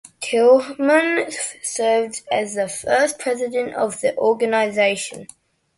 Tilghman served as the first president of the organization.